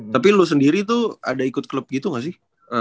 tapi lu sendiri tuh ada ikut klub gitu gak sih